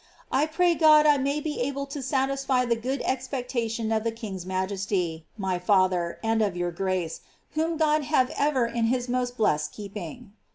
I pray Grod I may be able to satisfy the goo<l expectation of the king's majesty, my father, and of your grace, whom God have ever in his most blessed keeping!